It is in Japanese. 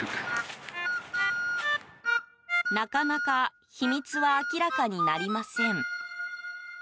なかなか秘密は明らかになりません。